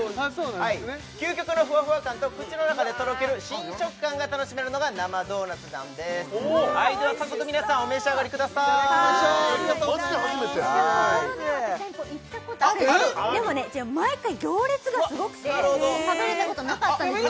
究極のフワフワ感と口の中でとろける新食感が楽しめるのが生ドーナツなんですでは早速皆さんお召し上がりくださいいただきましょうマジで初めてやここの店舗行ったことあるんですでもね毎回行列がすごくて食べれたことなかったんですよ